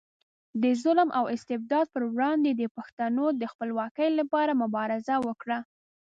د ظلم او استبداد پر وړاندې د پښتنو د خپلواکۍ لپاره مبارزه وکړه.